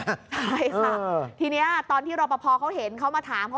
ใช่ส่ะทีนี้ตอนที่รอบพะพอเขาเห็นเขามาถาม